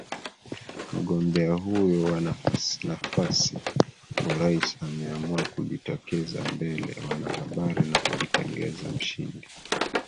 mgombea huyo wa nafasi urais ameamua kujitokeza mbele wanahabari na kujitangaza mshindi